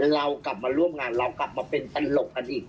เรากลับมาร่วมงานเรากลับมาเป็นตลกกันอีก